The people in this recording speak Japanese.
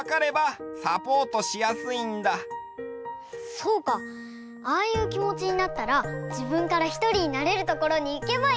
そうかああいうきもちになったらじぶんからひとりになれるところにいけばいいのかも。